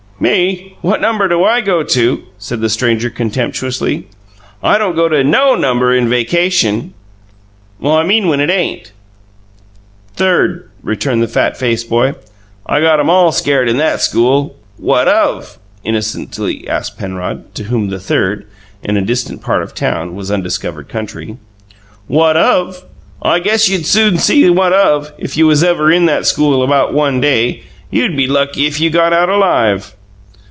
"Me? What number do I go to?" said the stranger, contemptuously. "I don't go to NO number in vacation!" "I mean when it ain't." "Third," returned the fat faced boy. "I got 'em ALL scared in THAT school." "What of?" innocently asked Penrod, to whom "the Third" in a distant part of town was undiscovered country. "What of? I guess you'd soon see what of, if you ever was in that school about one day. You'd be lucky if you got out alive!"